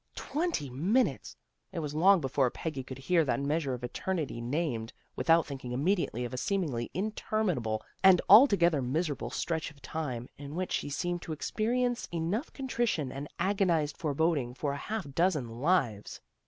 Twenty minutes! It was long before Peggy could hear that measure of eternity named, without thinking immediately of a seemingly interminable and altogether miserable stretch of tune, in which she seemed to experience enough contrition and agonized forboding for a half dozen lives.